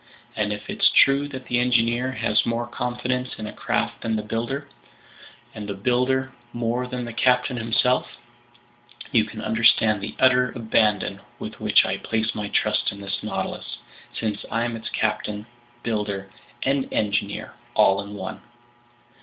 And if it's true that the engineer has more confidence in a craft than the builder, and the builder more than the captain himself, you can understand the utter abandon with which I place my trust in this Nautilus, since I'm its captain, builder, and engineer all in one!"